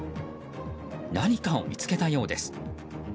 何かを見つけたようです。